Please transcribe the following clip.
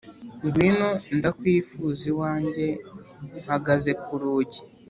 Ngwino ndakwifuza iwanjye mpagaze kurugi